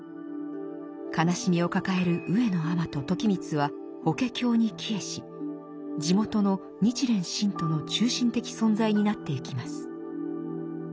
悲しみを抱える上野尼と時光は「法華経」に帰依し地元の日蓮信徒の中心的存在になっていきます。